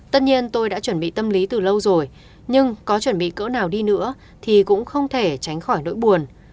tất nhiên tôi đã chuẩn bị tâm lý từ lâu rồi nhưng có chuẩn bị cỡ nào đi nữa thì cũng không thể tránh khỏi nỗi buồn